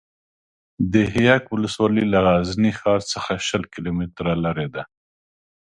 ده یک ولسوالي له غزني ښار څخه شل کیلو متره لري ده